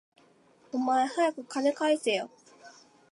お前、はやく金返せよ